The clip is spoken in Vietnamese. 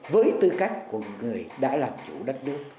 với tư cách của người đã làm chủ đất nước